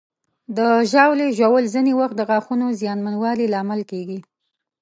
د ژاولې ژوول ځینې وخت د غاښونو زیانمنوالي لامل کېږي.